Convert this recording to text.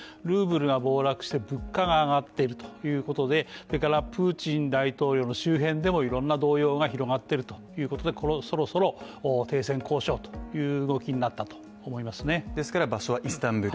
ルーブルが暴落して物価が上がっているということで、プーチン大統領の周辺でもいろんな動揺が広がっているということでそろそろ停戦交渉という動きになったと思いますね。